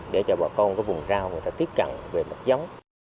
để cho bà con có vùng dao người ta tiếp cận về mặt giống